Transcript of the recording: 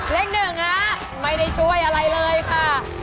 เลขหนึ่งฮะไม่ได้ช่วยอะไรเลยค่ะ